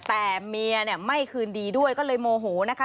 แต่เมียเนี่ยไม่คืนดีด้วยก็เลยโมโหนะคะ